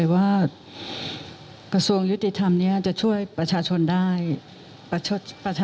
ว่าที่๑๐๓ธนกฤษ